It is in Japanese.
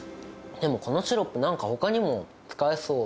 でもこのシロップ、なんかほかにも使えそう。